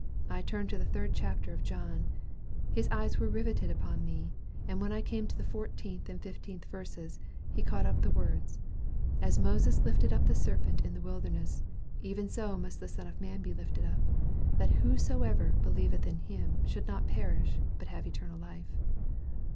I turned to the third chapter of John. His eyes were riveted on me, and when I came to the fourteenth and fifteenth verses, he caught up the words, 'As Moses lifted up the serpent in the wilderness, even so must the Son of man be lifted up: that whosoever believeth in him should not perish, but have eternal life.'